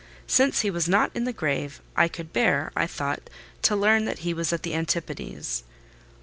Since he was not in the grave, I could bear, I thought, to learn that he was at the Antipodes.